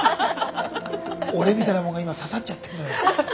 俺みたいなもんが今刺さっちゃってんのよ。